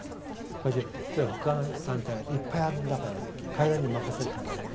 しかし他の団体がいっぱいあるんだから彼らに任せたらいい。